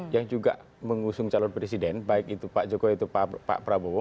yang juga mengusung calon presiden baik itu pak jokowi atau pak prabowo